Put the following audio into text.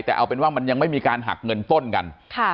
แต่เอาเป็นว่ามันยังไม่มีการหักเงินต้นกัน